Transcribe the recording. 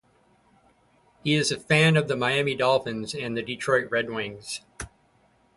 He is a fan of the Miami Dolphins and the Detroit Red Wings.